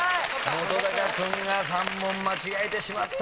本君が３問間違えてしまった。